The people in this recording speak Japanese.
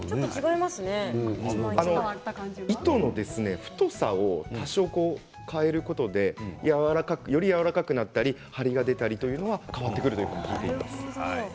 糸の太さを多少、変えることでやわらかくなったり張りが出たりということを聞いています。